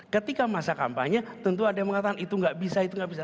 ketika masa kampanye tentu ada yang mengatakan itu nggak bisa itu nggak bisa